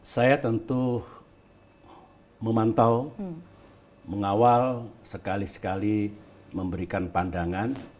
saya tentu memantau mengawal sekali sekali memberikan pandangan